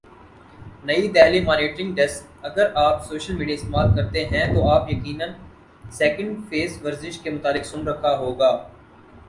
نئی Delhi monitoring desk اگر آپ سوشل میڈیا استعمال کرتے ہیں تو آپ یقینا سیکنڈ فیس ورزش کے متعلق سن رکھا ہو گا